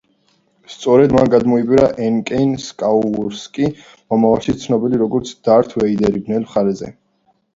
სწორედ მან გადმოიბირა ენეკინ სკაიუოკერი, მომავალში ცნობილი როგორც დართ ვეიდერი ბნელ მხარეზე.